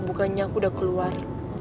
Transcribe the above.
bukannya aku udah keluar